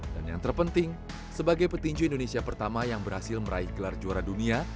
dan yang terpenting sebagai petinju indonesia pertama yang berhasil meraih gelar juara dunia